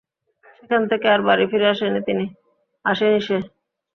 সেখান থেকে আর বাড়ি ফিরে আসেনি সে।